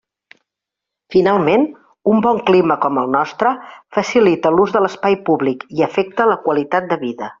Finalment, un bon clima com el nostre facilita l'ús de l'espai públic i afecta la qualitat de vida.